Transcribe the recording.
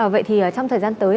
vậy thì trong thời gian tới